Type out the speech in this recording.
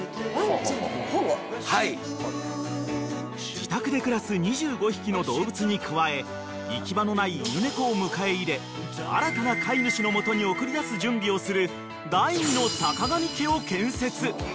［自宅で暮らす２５匹の動物に加え行き場のない犬猫を迎え入れ新たな飼い主の元に送り出す準備をする］